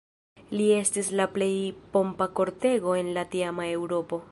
Lia estis la plej pompa kortego en la tiama Eŭropo.